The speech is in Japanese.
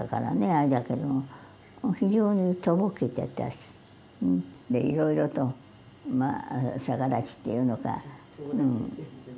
あれだけども非常にとぼけてたしいろいろとまあ逆立ちっていうのか。